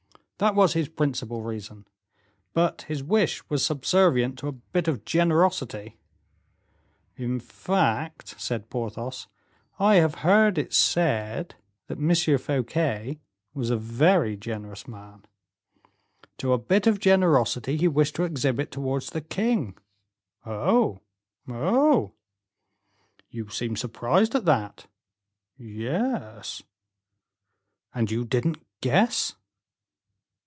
"That was his principal reason. But his wish was subservient to a bit of generosity " "In fact," said Porthos, "I have heard it said that M. Fouquet was a very generous man." "To a bit of generosity he wished to exhibit towards the king." "Oh, oh!" "You seem surprised at that?" "Yes." "And you didn't guess?"